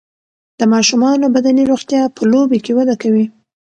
د ماشومانو بدني روغتیا په لوبو کې وده کوي.